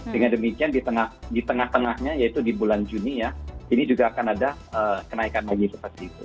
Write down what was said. dengan demikian di tengah tengahnya yaitu di bulan juni ya ini juga akan ada kenaikan lagi seperti itu